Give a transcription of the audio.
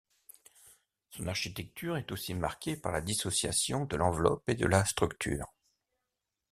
Son architecture est aussi marquée par la dissociation de l'enveloppe et de la structure.